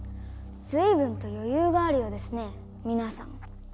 ずいぶんとよゆうがあるようですねみなさん。